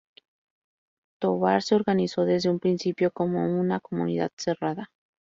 Tovar se organizó desde un principio como una comunidad cerrada.